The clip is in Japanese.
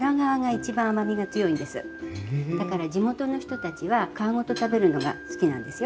だから地元の人たちは皮ごと食べるのが好きなんですよ。